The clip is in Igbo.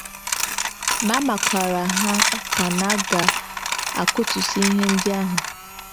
ma makwara ha ọkwà na a ga-akụtusi ihe ndị ahụ.